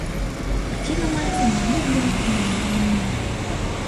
Карціна маецца на лічбавых носьбітах.